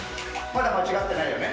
まだ間違ってないよね。